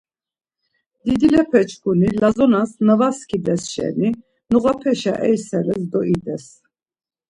Didilepeçkuni Lazonas na var skides şeni noğapeşa eyseles do ides.